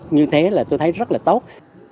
như thế là tôi thấy rất là tốt